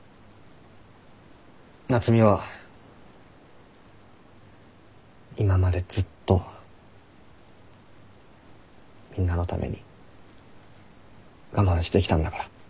夏海は今までずっとみんなのために我慢してきたんだから。